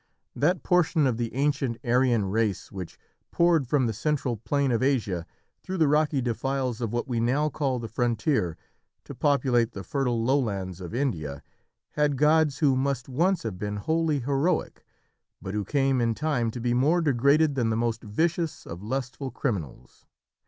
That portion of the ancient Aryan race which poured from the central plain of Asia, through the rocky defiles of what we now call "The Frontier," to populate the fertile lowlands of India, had gods who must once have been wholly heroic, but who came in time to be more degraded than the most vicious of lustful criminals.